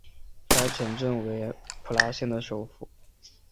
该城镇为普拉县的首府。